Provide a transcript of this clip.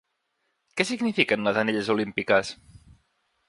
Què signifiquen les anelles olímpiques?